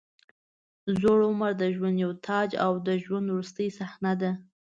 زوړ عمر د ژوند یو تاج او د ژوند وروستۍ صحنه ده.